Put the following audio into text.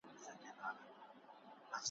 څنګه په دې مات وزر یاغي له خپل صیاد سمه `